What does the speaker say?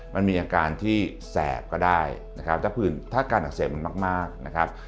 มันมีอาการที่แสบก็ได้นะครับถ้าการอักเสบมันมากนะครับ